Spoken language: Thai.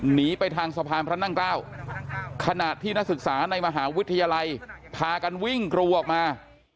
หนีไปทางสะพานพระนั่งเกล้าขณะที่นักศึกษาในมหาวิทยาลัยพากันวิ่งกรูออกมา